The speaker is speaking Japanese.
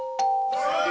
おい！